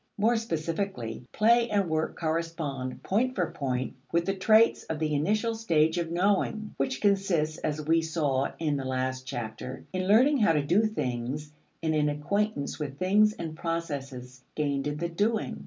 More specifically, play and work correspond, point for point, with the traits of the initial stage of knowing, which consists, as we saw in the last chapter, in learning how to do things and in acquaintance with things and processes gained in the doing.